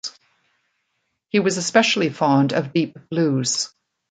He was especially fond of deep blues.